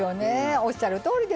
おっしゃるとおりですよ。